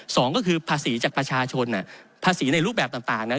สองก็คือภาษีจากประชาชนภาษีในรูปแบบต่างนะ